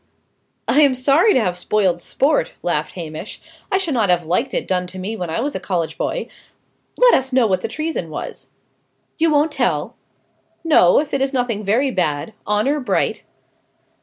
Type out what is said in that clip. "I am sorry to have spoiled sport," laughed Hamish. "I should not have liked it done to me when I was a college boy. Let us know what the treason was." "You won't tell!" "No; if it is nothing very bad. Honour bright."